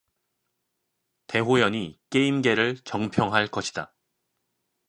대호연이 게임계를 정평할 것이다.